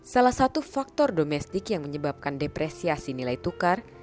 salah satu faktor domestik yang menyebabkan depresiasi nilai tukar